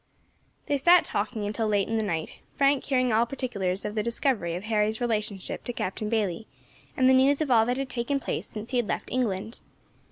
They sat talking until late in the night, Frank hearing all particulars of the discovery of Harry's relationship to Captain Bayley, and the news of all that had taken place since he had left England.